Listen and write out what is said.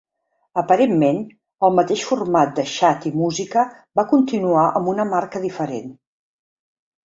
Aparentment, el mateix format de xat i música va continuar amb una marca diferent.